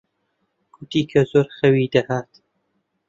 گوتی کە زۆر خەوی دەهات.